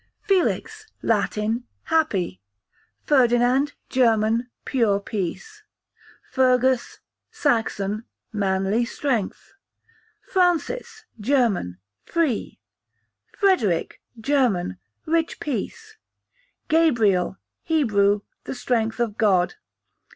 Felix, Latin, happy. Ferdinand, German, pure peace. Fergus, Saxon, manly strength. Francis, German, free. Frederic, German, rich peace. Gabriel, Hebrew, the strength of God.